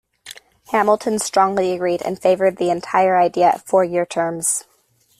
Hamilton strongly agreed and favored the entire idea of four-year terms.